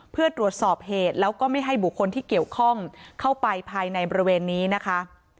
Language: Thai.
เพื่อตรวจสอบเหตุแล้วก็ไม่ให้บุคคลที่เกี่ยวข้องเข้าไปภายในบริเวณนี้นะคะ